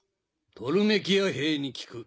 トルメキア兵に聞く。